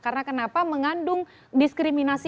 karena kenapa mengandung diskriminasi